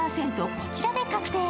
こちらで確定。